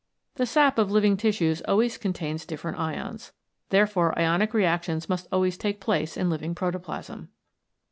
The sap of living tissues always contains different ions. Therefore ionic reactions must always take place in living protoplasm.